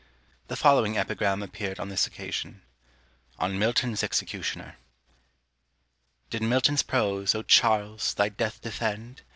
The following epigram appeared on this occasion: ON MILTON'S EXECUTIONER. Did MILTON'S PROSE, O CHARLES! thy death defend?